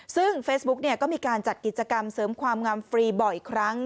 ซึ่งเฟซบุ๊กก็มีการจัดกิจกรรมเสริมความงามฟรีบ่อยครั้ง